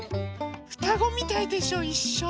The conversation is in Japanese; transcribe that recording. ふたごみたいでしょいっしょ。